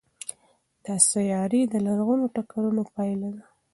دا سیارې د لرغونو ټکرونو پایله ده.